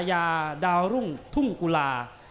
ยังเหลือคู่มวยในรายการ